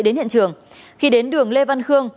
đến hiện trường khi đến đường lê văn khương